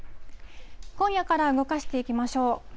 今夜から動かしていきましょう。